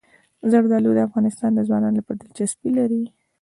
زردالو د افغان ځوانانو لپاره دلچسپي لري.